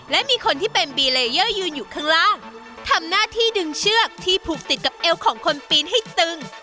และมีคนที่เป็นบีเลเยอร์ยืนอยู่ข้างล่างทำหน้าที่ดึงเชือกที่ผูกติดกับเอวของคนปีนให้ตึง